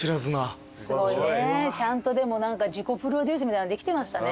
ちゃんとでも自己プロデュースみたいなのできてましたね。